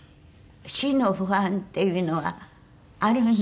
死の不安っていうのはある。